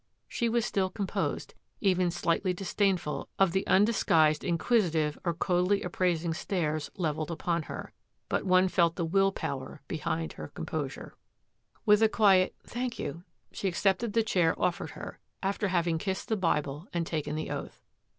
She was still composed, even slightly disdainful of the undisguisedly in quisitive or coldly appraising stares levelled upon her, but one felt the will power behind her com posure. 176 THAT AFFAIR AT THE MANOR With a quiet " thank you " she accepted the chair offered her, after having kissed the Bible and taken the oath.